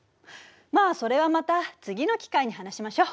まあそれはまた次の機会に話しましょう。